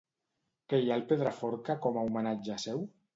Què hi ha al Pedraforca com a homenatge seu?